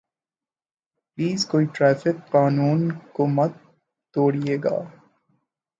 please کوئی traffic قانون کو مت توڑئے گا